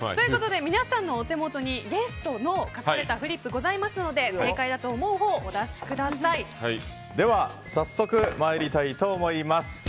皆さんのお手元にイエスとノーと書かれたフリップがございますので正解だと思うほうをでは、早速参りたいと思います。